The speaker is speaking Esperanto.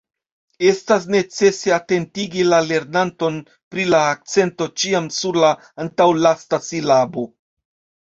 Estas necese atentigi la lernanton pri la akcento ĉiam sur la antaŭlasta silabo.